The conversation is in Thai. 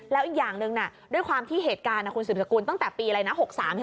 แล้วอีกอย่างหนึ่งด้วยความที่เหตุการณ์คุณสืบสกุลตั้งแต่ปีอะไรนะ๖๓